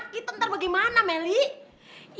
kita ntar bagaimana melih